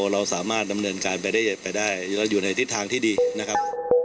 เราสามารถดำเนินการไปได้เราอยู่ในทิศทางที่ดีนะครับ